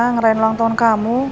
ngerain ulang tahun kamu